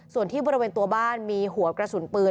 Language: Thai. ส่วนที่บริเวณตัวบ้านมีหัวกระสุนปืน